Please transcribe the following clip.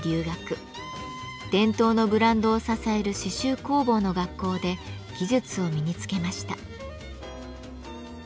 伝統のブランドを支える刺繍工房の学校で技術を身につけました。